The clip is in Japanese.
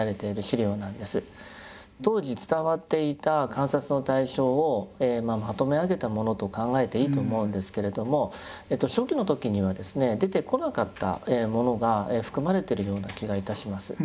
当時伝わっていた観察の対象をまとめ上げたものと考えていいと思うんですけれども初期の時にはですね出てこなかったものが含まれてるような気が致します。